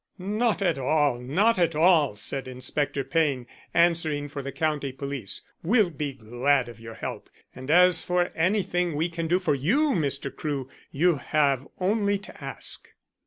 "Not at all; not at all," said Inspector Payne, answering for the County Police. "We'll be glad of your help. And as for anything we can do for you, Mr. Crewe, you have only to ask."